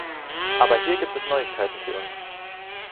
Aber hier gibt es Neuigkeiten für uns.